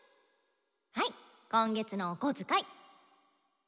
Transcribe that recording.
はい今月のお小遣い。